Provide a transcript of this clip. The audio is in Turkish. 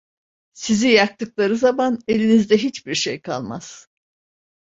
Sizi yaktıkları zaman, elinizde hiçbir şey kalmaz…